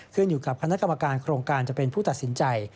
ขึ้นอยู่กับคณะกรรมการโครงการจะเป็นผู้ตัดสินใจ